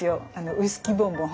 ウイスキーボンボン。